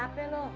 mau beli apa noh